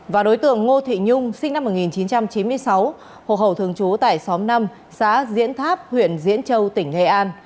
và đối tượng ngô thị nhung sinh năm một nghìn chín trăm chín mươi sáu hộ khẩu thường trú tại xóm năm xã diễn tháp huyện diễn châu tỉnh nghệ an